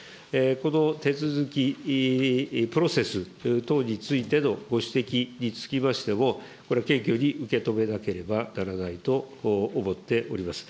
この手続き、プロセス等についてのご指摘につきましても、これ、謙虚に受け止めなければならないと思っております。